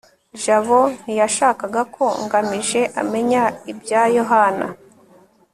jabo ntiyashakaga ko ngamije amenya ibya yohana